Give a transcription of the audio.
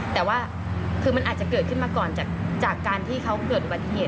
แต่ว่าคือมันอาจจะเกิดขึ้นมาก่อนจากการที่เขาเกิดอุบัติเหตุ